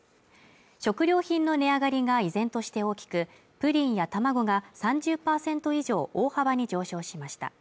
食料品の値上がりが依然として大きくプリンや卵が３０％以上大幅に上昇しました